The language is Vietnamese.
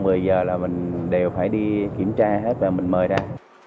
bây giờ là mình đều phải đi kiểm tra hết và mình mời ra